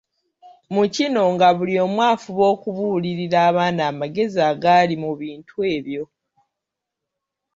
Mu kino nga buli omu afuba okubuulira abaana amagezi agali mu bintu ebyo.